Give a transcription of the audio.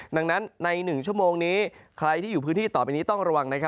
ดังนั้นใน๑ชั่วโมงนี้ใครที่อยู่พื้นที่ต่อไปนี้ต้องระวัง